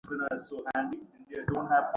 আমার ছোট্ট গিট্টু কোথায়?